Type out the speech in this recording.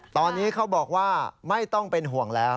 ตอนนี้เขาบอกว่าไม่ต้องเป็นห่วงแล้ว